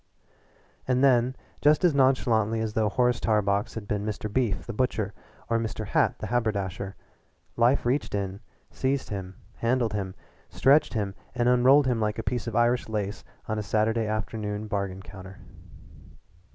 '" And then, just as nonchalantly as though Horace Tarbox had been Mr. Beef the butcher or Mr. Hat the haberdasher, life reached in, seized him, handled him, stretched him, and unrolled him like a piece of Irish lace on a Saturday afternoon bargain counter.